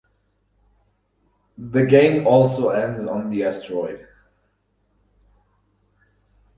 The game also ends on the asteroid.